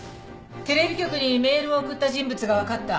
テレビ局にメールを送った人物がわかった。